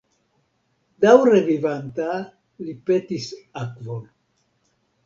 Daŭre vivanta, li petis akvon.